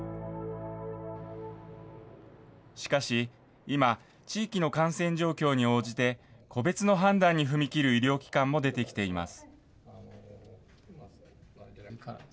しかし今、地域の感染状況に応じて、個別の判断に踏み切る医療機関も出てきています。